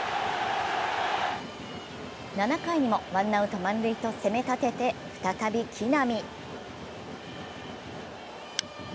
７回にもワンアウト満塁と攻め立てて再び木浪。